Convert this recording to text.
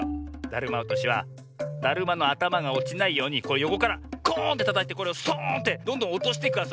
だるまおとしはだるまのあたまがおちないようによこからコーンってたたいてこれをストーンってどんどんおとしていくあそびだよ。